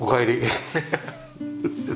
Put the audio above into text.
ハハハハ。